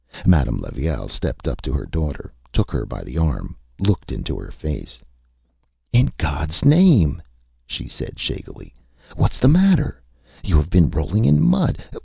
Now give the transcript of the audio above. Madame Levaille stepped up to her daughter, took her by the arm, looked into her face. ÂIn GodÂs name,Â she said, shakily, ÂwhatÂs the matter? You have been rolling in mud. ..